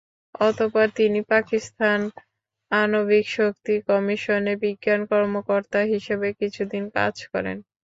অতঃপর তিনি পাকিস্তান আণবিক শক্তি কমিশনে বিজ্ঞান কর্মকর্তা হিসেবে কিছুদিন কাজ করেন।